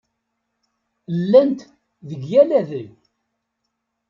Llant deg yal adeg.